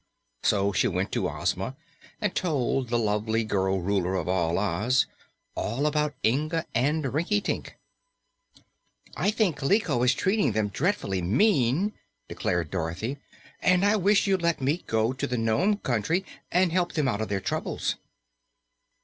So she went to Ozma and told the lovely girl Ruler of Oz all about Inga and Rinkitink. "I think Kaliko is treating them dreadfully mean," declared Dorothy, "and I wish you'd let me go to the Nome Country and help them out of their troubles."